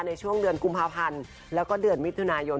ในช่วงเดือนกุมภาพันธ์แล้วก็เดือนมิถุนายน